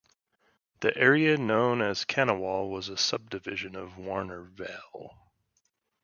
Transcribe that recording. The area now known as Kanwal was a subdivision of Warnervale.